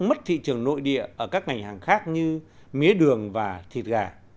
mất thị trường nội địa ở các ngành hàng khác như mía đường và thịt gà